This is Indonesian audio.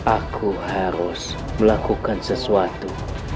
aku harus melakukan sesuatu